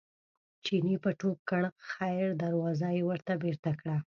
چیني به ټوپ کړ خیر دروازه یې ورته بېرته کړه.